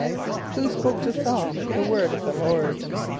= Who spoke to S[a:]ul the word of the Lord?